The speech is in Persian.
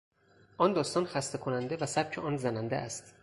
آن داستان خسته کننده و سبک آن زننده است.